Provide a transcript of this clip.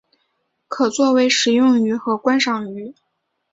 可作为食用鱼和观赏鱼。